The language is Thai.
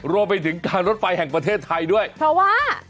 รวมไปถึงการรถไฟแห่งประเทศไทยด้วยเพราะว่า